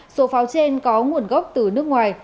số pháo trên có nguồn gốc từ nước ngoài